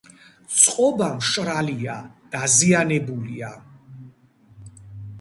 წყობა მშრალია, დაზიანებულია.